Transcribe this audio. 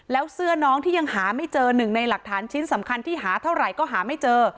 แล้วเสื้อน้องที่ยังหาไม่เจอหนึ่งในหลักฐานชิ้นสำคัญที่หาเท่าไหร่ก็หาไม่เจอ